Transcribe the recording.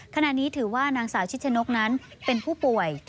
ขณะนี้ถือว่านางสาวชิชนกนั้นเป็นผู้ป่วย